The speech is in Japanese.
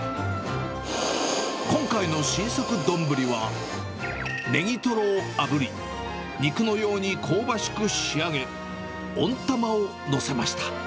今回の新作丼は、ネギトロをあぶり、肉のように香ばしく仕上げ、温玉を載せました。